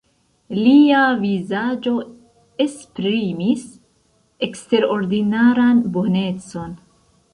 Lia vizaĝo esprimis eksterordinaran bonecon.